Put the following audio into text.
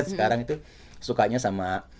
sekarang itu sukanya sama